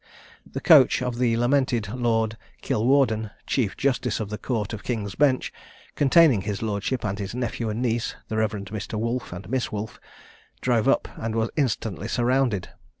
The coach of the lamented Lord Kilwarden, chief justice of the Court of King's Bench, containing his lordship, and his nephew and niece, the Rev. Mr. Wolfe, and Miss Wolfe, drove up, and was instantly surrounded.